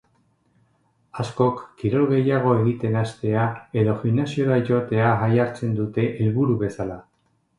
Askok kirol gehiago egiten hastea edo gimnasiora joatea jartzen dute helburu bezala.